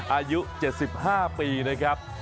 อายุ๗๕ปีนะครับ